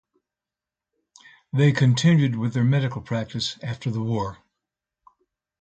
They continued with their medical practice after the war.